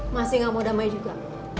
masih gak mau damai juga